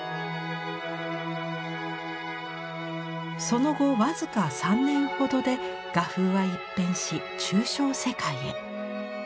その後僅か３年ほどで画風は一変し抽象世界へ。